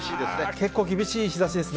結構厳しい日ざしですね。